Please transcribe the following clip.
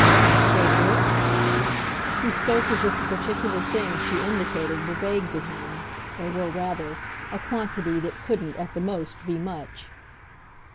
"For 'this'?" He spoke as if the particular thing she indicated were vague to him or were, rather, a quantity that couldn't, at the most, be much.